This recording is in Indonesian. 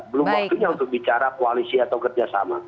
belum waktunya untuk bicara koalisi atau kerjasama